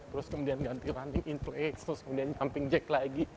terus kemudian ganti running in place terus kemudian jumping jack lagi